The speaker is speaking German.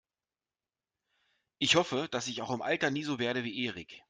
Ich hoffe, dass ich auch im Alter nie so werde wie Erik.